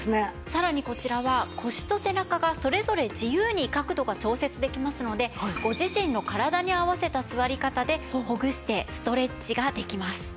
さらにこちらは腰と背中がそれぞれ自由に角度が調節できますのでご自身の体に合わせた座り方でほぐしてストレッチができます。